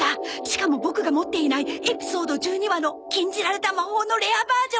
しかもボクが持っていないエピソード１２話の「禁じられたま・ほー」のレアバージョン！